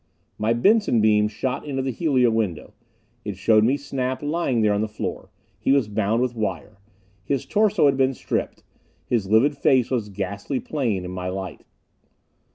My Benson beam shot into the helio window. It showed me Snap lying there on the floor. He was bound with wire. His torso had been stripped. His livid face was ghastly plain in my light.